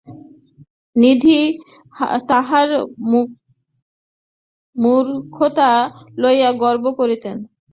নিধি তাঁহার মূর্খতা লইয়া গর্ব করিতেন।